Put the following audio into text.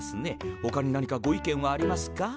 ほかに何かご意見はありますか？